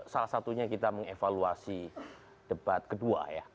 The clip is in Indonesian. salah satunya kita mengevaluasi debat kedua ya